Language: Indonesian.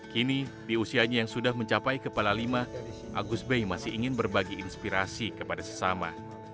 kini di usianya yang sudah mencapai kepala lima agus bey masih ingin berbagi inspirasi kepada sesama